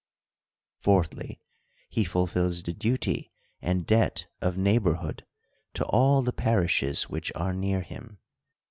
— Fourthly, he fulfils the duty and debt of neighborhood, to all the THE COUNTRY PARSON. 43 parishes which are near him.